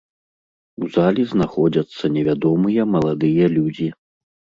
У залі знаходзяцца невядомыя маладыя людзі.